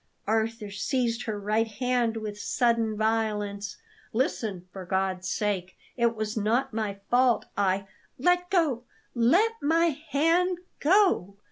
Arthur seized her right hand with sudden violence. "Listen, for God's sake! It was not my fault; I " "Let go; let my hand go!